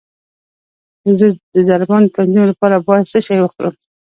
د زړه د ضربان د تنظیم لپاره باید څه شی وخورم؟